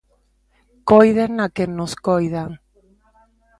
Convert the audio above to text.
Coiden a quen nos coida.